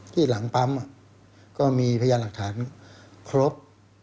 ที่หลังปั๊มก็มีพยานหลักฐานครบ